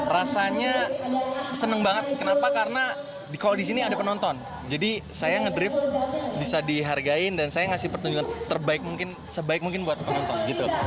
rasanya seneng banget kenapa karena kalau di sini ada penonton jadi saya ngedrift bisa dihargain dan saya ngasih pertunjukan terbaik mungkin sebaik mungkin buat penonton gitu